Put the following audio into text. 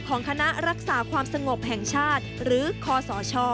ของคณะรักษาความสงบแห่งชาติหรือคศ